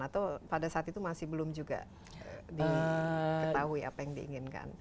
atau pada saat itu masih belum juga diketahui apa yang diinginkan